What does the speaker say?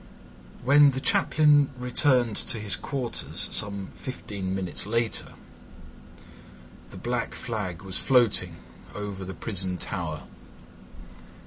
When the Chaplain returned to his quarters some fifteen minutes later, the black flag was floating over the prison tower.